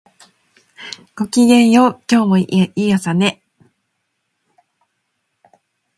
ごきげんよう、今日もいい朝ね